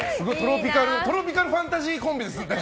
トロピカルファンタジーコンビで。